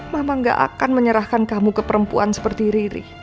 mama gak akan menyerahkan kamu ke perempuan seperti riri